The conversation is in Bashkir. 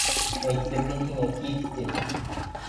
Әйттем мин һиңә кит, тип!